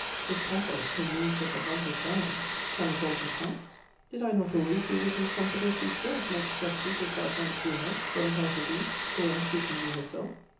If pathos can move such a heart as thine, can it alter facts! Did I not always do this incomparable creature as much justice as thou canst do her for the heart of thee, or as she can do herself?